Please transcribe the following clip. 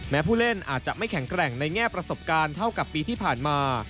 ผู้เล่นอาจจะไม่แข็งแกร่งในแง่ประสบการณ์เท่ากับปีที่ผ่านมา